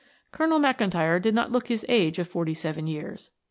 Colonel McIntyre did not look his age of forty seven years.